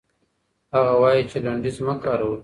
هغه وايي چې لنډيز مه کاروئ.